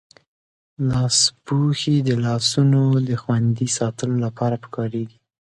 لاسپوښي د لاسونو دخوندي ساتلو لپاره پکاریږی.